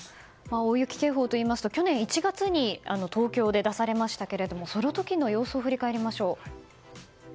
大雪警報といいますと去年１月に東京で出されましたがその時の様子を振り返りましょう。